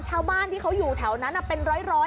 ชาวบ้านที่เขาอยู่แถวนั้นเป็นร้อย